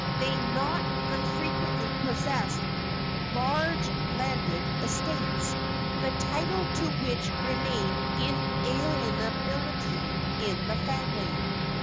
They not unfrequently possessed large landed estates, the title to which remained inalienably in the family.